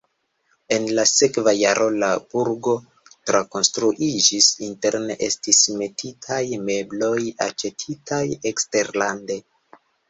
En la sekva jaro la burgo trakonstruiĝis, interne estis metitaj mebloj aĉetitaj eksterlande.